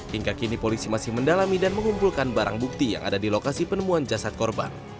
hingga kini polisi masih mendalami dan mengumpulkan barang bukti yang ada di lokasi penemuan jasad korban